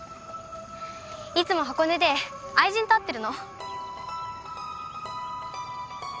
いつも箱根で愛人と会ってるの。